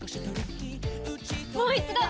もう一度！